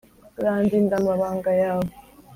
urandinda amabanga yawe